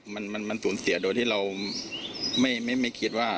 มันมันมันสูญเสียโดยที่เราไม่ไม่ไม่คิดว่า